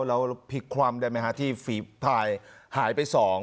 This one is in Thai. แล้วพลิกคว่ำได้ไหมฮะที่ฝีพายหายไป๒